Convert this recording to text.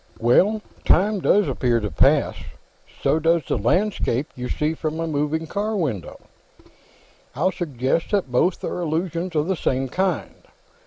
"Well, time does appear to pass. So does the landscape you see from a moving car window. I'll suggest that both are illusions of the same kind.